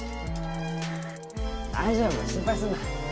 大丈夫心配すんな。